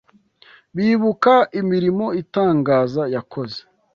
bibuka imirimo itangaza yakoze.